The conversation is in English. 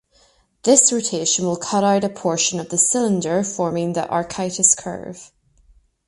This rotation will cut out a portion of the cylinder forming the Archytas curve.